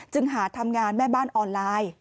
หาทำงานแม่บ้านออนไลน์